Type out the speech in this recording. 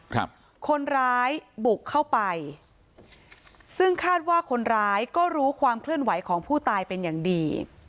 ครับคนร้ายบุกเข้าไปซึ่งคาดว่าคนร้ายก็รู้ความเคลื่อนไหวของผู้ตายเป็นอย่างดี